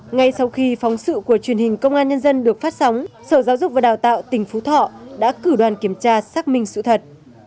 ngay sau khi phóng sự của truyền hình công an nhân dân được phát sóng sở giáo dục và đào tạo tỉnh phú thọ đã cử đoàn kiểm tra xác minh sự thật